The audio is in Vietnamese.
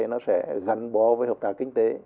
nó sẽ gắn bó với hợp tác kinh tế